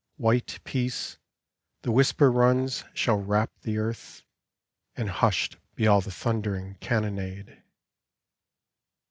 White Peace, the whisper runs, shall wrap the earth, And hushed be all the thundering cannonade.